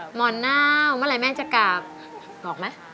หมอนเน่าเมื่อไหร่แม่จะกราบบอกไหม